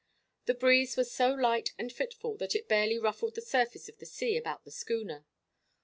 The breeze was so light and fitful that it barely ruffled the surface of the sea about the schooner.